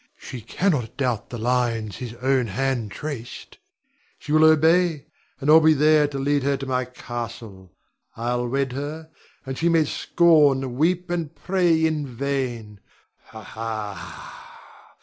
She cannot doubt the lines his own hand traced. She will obey, and I'll be there to lead her to my castle. I'll wed her, and she may scorn, weep, and pray in vain. Ha, ha!